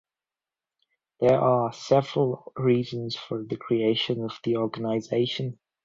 There are several reasons for the creation of the organization.